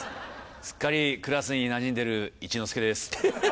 すっかりクラスになじんでる一之輔です。